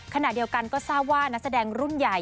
ขณะเดียวกันก็ทราบว่านักแสดงรุ่นใหญ่